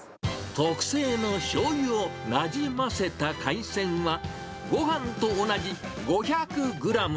特製のしょうゆをなじませた海鮮は、ごはんと同じ５００グラム。